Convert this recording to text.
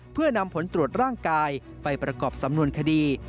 เพื่อนำผลตรวจร่างกายไปประกอบสำนวนคดี